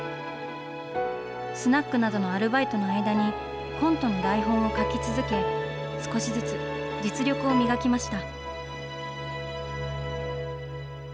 スナックなどのアルバイトの間に、コントの台本を書き続け、少しずつ実力を磨きました。